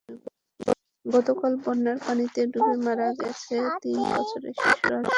গতকাল বন্যার পানিতে ডুবে মারা গেছে তিন বছরের শিশু আরিফুর রহমান।